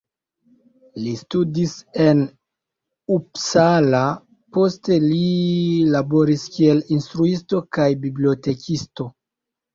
Li studis en Uppsala, poste li laboris kiel instruisto kaj bibliotekisto.